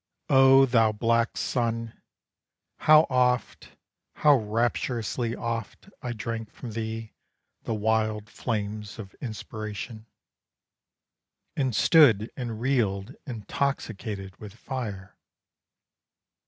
Oh thou black sun, how oft, How rapturously oft, I drank from thee The wild flames of inspiration! And stood and reeled, intoxicated with fire.